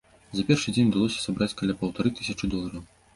За першы дзень удалося сабраць каля паўтары тысячы долараў.